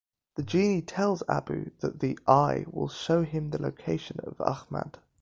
The genie tells Abu that the Eye will show him the location of Ahmad.